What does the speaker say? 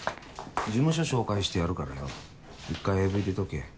事務所紹介してやるからよ１回ＡＶ出とけ。